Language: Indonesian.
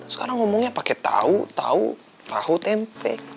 sekarang ngomongnya pake tau tau tau tempe